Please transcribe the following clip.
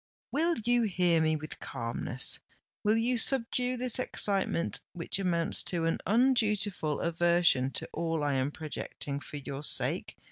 "Will you hear me with calmness?—will you subdue this excitement, which amounts to an undutiful aversion to all I am projecting for your sake?"